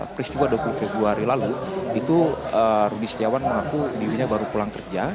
peristiwa dua puluh februari lalu itu rudy setiawan mengaku dirinya baru pulang kerja